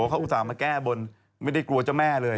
เขาอุตส่าห์มาแก้บนไม่ได้กลัวเจ้าแม่เลย